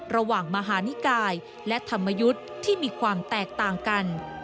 ระหว่างมหานิกายและธรรมยุทธ์ที่มีความแตกต่างกัน